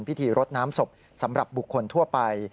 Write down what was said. พิธีรดน้ำศพสำหรับบุคคลทั่วไป